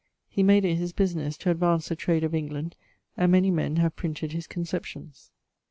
He made it his businesse to advance the trade of England, and many men have printed his conceptions.